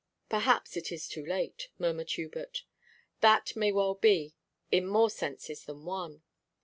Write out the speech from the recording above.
'Perhaps it is too late,' murmured Hubert. 'That may well be, in more senses than one.